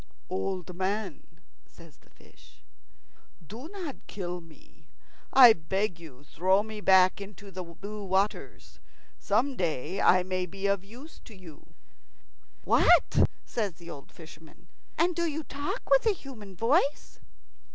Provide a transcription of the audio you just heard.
"Old man," says the fish, "do not kill me. I beg you throw me back into the blue waters. Some day I may be able to be of use to you." "What?" says the old fisherman; "and do you talk with a human voice?"